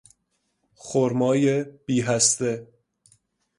خرمای بیهسته